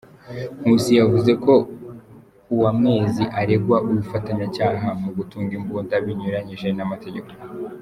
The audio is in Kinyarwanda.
Nkusi yavuze ko Uwamwezi aregwa ubufatanyacyaha mu gutunga imbunda binyuranyije n’amategeko.